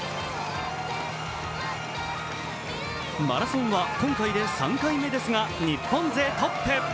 マラソンは今回で３回目ですが日本勢トップ。